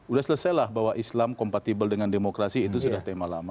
udah selesailah bahwa islam kompatibel dengan demokrasi itu sudah tema lama